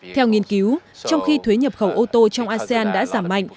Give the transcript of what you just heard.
theo nghiên cứu trong khi thuế nhập khẩu ô tô trong asean đã giảm mạnh